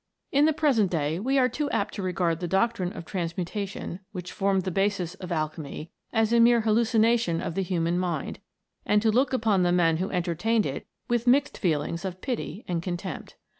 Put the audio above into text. In the present day we are too apt to regard the doctrine of transmutation, which formed the basis of alchemy, as a mere hallucination of the human mind ; and to look upon the men who entertained it with mixed feelings of pity and contempt.